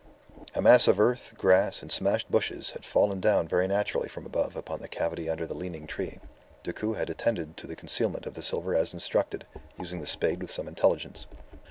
A mass of earth, grass, and smashed bushes had fallen down very naturally from above upon the cavity under the leaning tree. Decoud had attended to the concealment of the silver as instructed, using the spade with some intelligence.